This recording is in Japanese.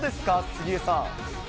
杉江さん。